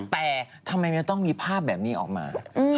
แต่ทำไมมันต้องมีภาพแบบนี้ออกมา